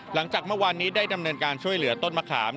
หลังจากเมื่อวานนี้ได้ดำเนินการช่วยเหลือต้นมะขาม